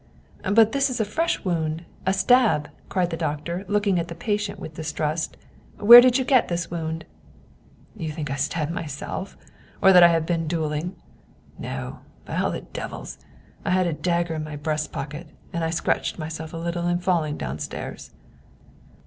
" But this is a fresh wound, a stab !" cried the doctor, looking at the patient with distrust. " Where did you get this wound ?"" You think I stabbed myself? Or that I have been dueling? No, by all the devils! I had a dagger in my breast pocket, and I scratched myself a little in falling downstairs."